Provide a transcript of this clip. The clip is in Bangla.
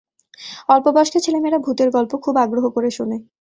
অল্পবয়স্ক ছেলেমেয়েরা ভূতের গল্প খুব আগ্রহ করে শোনে।